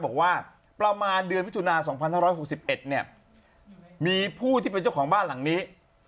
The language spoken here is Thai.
บอกว่าประมาณเดือนมิถุนา๒๕๖๑เนี่ยมีผู้ที่เป็นเจ้าของบ้านหลังนี้